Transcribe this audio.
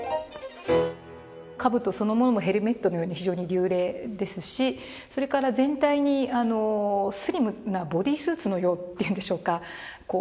兜そのものもヘルメットのように非常に流麗ですしそれから全体にスリムなボディースーツのようっていうんでしょうか。